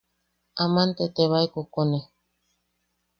Aman te tebae kokone.